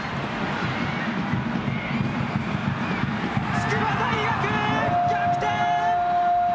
筑波大学、逆転！